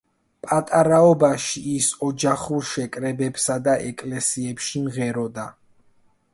პატარაობაში ის ოჯახურ შეკრებებსა და ეკლესიებში მღეროდა.